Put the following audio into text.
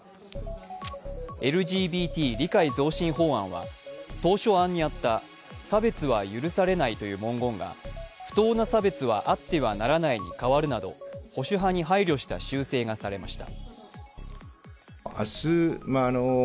ＬＧＢＴ理解増進法案は当初案にあった「差別は許されない」という文言が「不当な差別はあってはならない」に変わるなど、保守派に配慮した修正がされました。